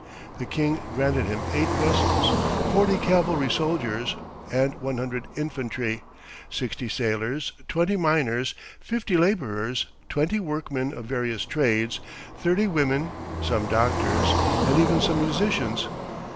The king granted him eight vessels, forty cavalry soldiers, and one hundred infantry, sixty sailors, twenty miners, fifty labourers, twenty workmen of various trades, thirty women, some doctors, and even some musicians.